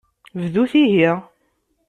Bdut ihi.